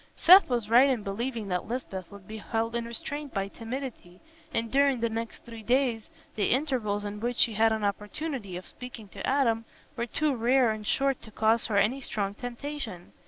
Seth was right in believing that Lisbeth would be held in restraint by timidity, and during the next three days, the intervals in which she had an opportunity of speaking to Adam were too rare and short to cause her any strong temptation.